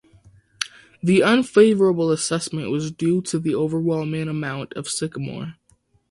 The unfavourable assessment was due to the overwhelming amount of sycamore.